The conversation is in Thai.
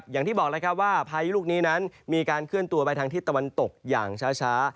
อย่างที่บอกแล้วครับว่าพายุลูกนี้นั้นมีการเคลื่อนตัวไปทางที่ตะวันตกอย่างช้า